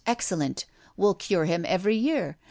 excellent! We'll cure him every year.